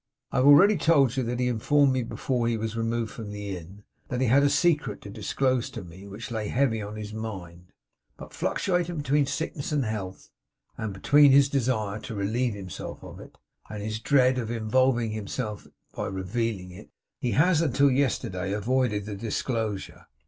I have already told you that he informed me before he was removed from the Inn, that he had a secret to disclose to me which lay heavy on his mind. But, fluctuating between sickness and health and between his desire to relieve himself of it, and his dread of involving himself by revealing it, he has, until yesterday, avoided the disclosure.